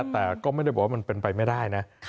แต่ก็ไม่ได้บอกว่ามันเป็นไปไม่ได้นะ